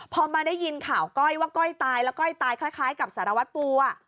พอมาได้ยินข่าวก้อยว่าก้อยตายแล้วก้อยตายคล้ายกับสารวัตรปู